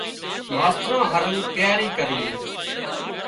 ماستران هارُو تياري ڪروِي۔